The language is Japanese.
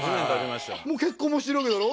もう結婚もしてるわけだろ？